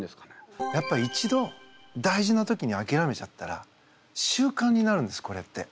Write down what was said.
やっぱ一度大事な時にあきらめちゃったら習慣になるんですこれって。